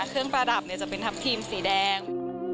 ประดับจะเป็นทัพทีมสีแดง